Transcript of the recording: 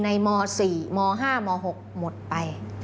ในโม๔โม๕โม๖หมดไป